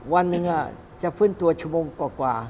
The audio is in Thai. วันหนึ่งจะฟื้นตัวชั่วโมงกว่า